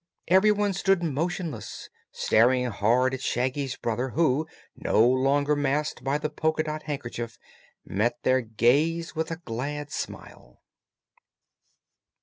Everyone stood motionless, staring hard at Shaggy's brother, who, no longer masked by the polka dot handkerchief, met their gaze with a glad smile.